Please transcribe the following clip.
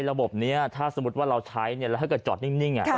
ระบบนี้ถ้าสมมุติว่าเราใช้แล้วถ้าเกิดจอดนิ่ง